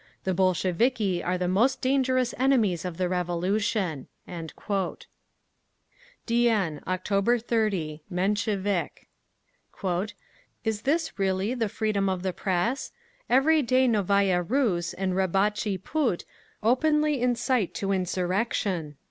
"The Bolsheviki are the most dangerous enemies of the Revolution…." Dien, October 30 (Menshevik). "Is this really 'the freedom of the press'? Every day Novaya Rus and Rabotchi Put openly incite to insurrection.